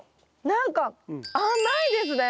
何か甘いですね。